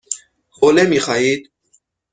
حوله می خواهید؟